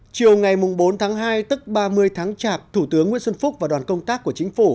chiều ngày bốn tháng hai tức ba mươi tháng chạp thủ tướng nguyễn xuân phúc và đoàn công tác của chính phủ